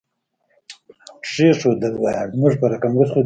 ګاونډي ته ستا اخلاص ډېر مهم دی